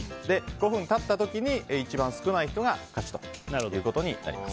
５分経った時に一番少ない人が勝ちということになります。